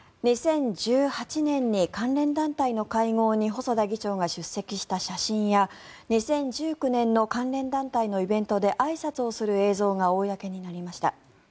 ２０１８年に関連団体の会合に細田議長が出席した写真や２０１９年の関連団体のイベントであいさつする映像が公になりました。